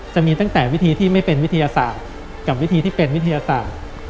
จะมีตั้งแต่วิธีที่ไม่เป็นวิทยาศาสตร์กับวิธีที่เป็นวิทยาศาสตร์